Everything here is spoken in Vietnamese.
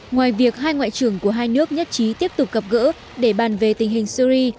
ngoài việc hai ngoại trưởng của hai nước nhất trí tiếp tục gặp gỡ để bàn về tình hình syri